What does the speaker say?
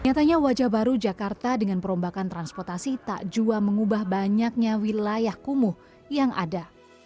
nyatanya wajah baru jakarta dengan perombakan transportasi tak jua mengubah banyaknya wilayah kumuh yang ada